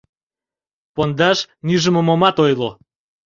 Пондаш нӱжымым омат ойло.